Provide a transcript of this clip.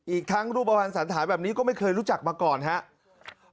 อีกครั้งรูปประวัติศาสตร์ถ่ายแบบนี้ก็ไม่เคยรู้จักมาก่อนครับ